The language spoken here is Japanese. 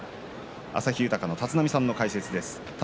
旭豊の立浪さんの解説です。